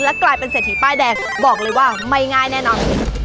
กลายเป็นเศรษฐีป้ายแดงบอกเลยว่าไม่ง่ายแน่นอน